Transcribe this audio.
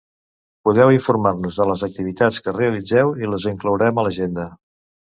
Podeu informar-nos de les activitats que realitzeu i les inclourem a l'Agenda.